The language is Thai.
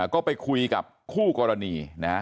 ก็ไปคุยกับคู่กรณีนะฮะ